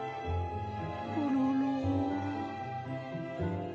コロロ。